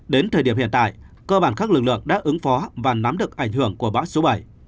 đến thời điểm hiện tại cơ bản các lực lượng đã ứng phó và nắm được ảnh hưởng của bão số bảy